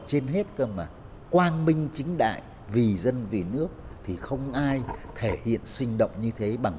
trên hết cơ mà quang minh chính đại vì dân vì nước thì không ai thể hiện sinh động như thế bằng